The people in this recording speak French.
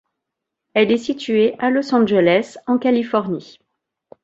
Elle est située à Los Angeles, en Californie.